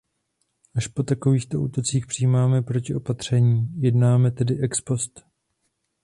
Až po takovýchto útocích přijímáme protiopatření, jednáme tedy ex post.